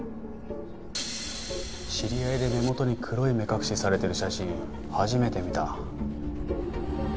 知り合いで目元に黒い目隠しされてる写真初めて見た。